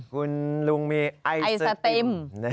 คุณลุงมีไอศติม